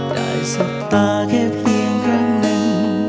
สบตาแค่เพียงครั้งหนึ่ง